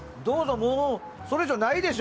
もうそれ以上、ないでしょ？